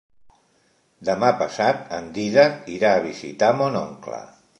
Demà passat en Dídac irà a visitar mon oncle.